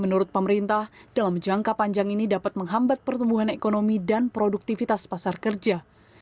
menurut pemerintah dalam jangka panjang ini dapat menghambat pertumbuhan ekonomi dan produktivitas pasar kerja